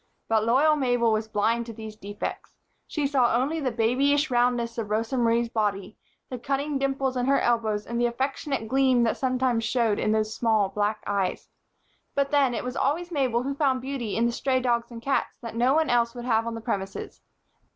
But loyal Mabel was blind to these defects. She saw only the babyish roundness of Rosa Marie's body, the cunning dimples in her elbows and the affectionate gleam that sometimes showed in the small black eyes. But then, it was always Mabel who found beauty in the stray dogs and cats that no one else would have on the premises.